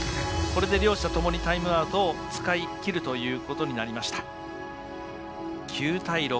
これで両者ともにタイムアウトを使い切るということになりました。